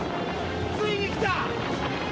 ついに来た！